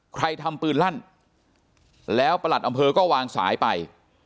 ใครทำปืนลั่นแล้วประหลัดอำเภอก็วางสายไป